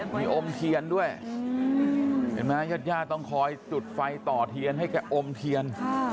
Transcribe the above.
มีอมเทียนด้วยเห็นไหมญาติญาติต้องคอยจุดไฟต่อเทียนให้แกอมเทียน